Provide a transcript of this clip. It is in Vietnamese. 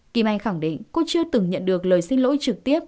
kim anh khẳng định cô chưa từng nhận được lời xin lỗi trực tiếp